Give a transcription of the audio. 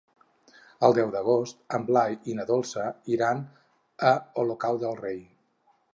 El deu d'agost en Blai i na Dolça iran a Olocau del Rei.